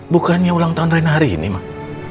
bukannya ulang tahun rena hari ini mak